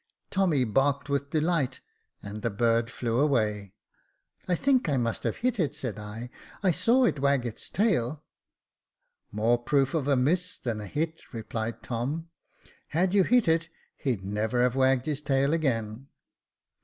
Tommy barked with delight, and the bird flew away. I think I must have hit it," said I ;" I saw it wag its tail." " More proof of a miss than a hit," replied Tom. " Had you hit it, he'd never have wagged his tail again."